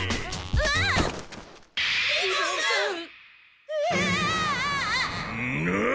うわ！